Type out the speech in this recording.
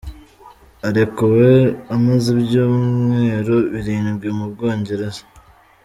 Arekuwe amaze ibyumweru birindwi mu Bwongereza.